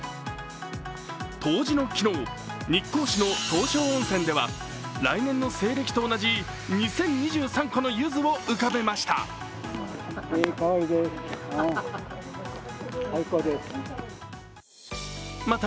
冬至の昨日、日光市の東照温泉では来年の西暦と同じ２０２３個のゆずを浮かべました。